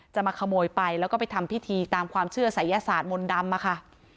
จะมาขโมยไปแล้วก็ไปทำพิธีตามความเชื่อศัยศาสตร์มนต์ดำอะค่ะ